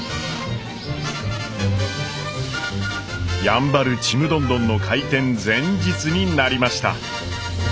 やんばるちむどんどんの開店前日になりました。